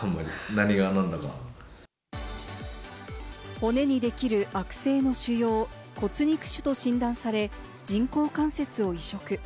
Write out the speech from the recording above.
骨にできる悪性の腫瘍、骨肉腫と診断され、人工関節を移植。